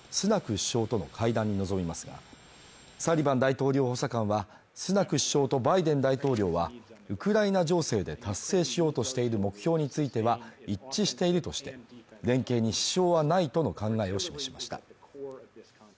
首相との会談に臨みますが、サリバン大統領補佐官はスナク首相とバイデン大統領はウクライナ情勢で達成しようとしている目標については一致しているとして連携に支障はないとの考えを示しました。